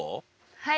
はい。